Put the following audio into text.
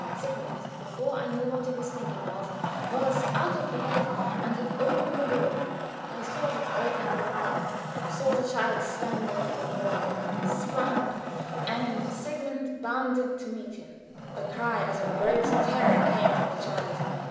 Sigmund, before I knew what he was thinking of, was out of bed and had opened the door. I saw that Eugen looked up, saw the child standing in the door way, sprung up, and Sigmund bounded to meet him. A cry as of a great terror came from the child.